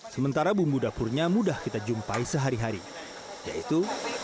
sementara bumbu dapurnya mudah kita jumpai sehari hari yaitu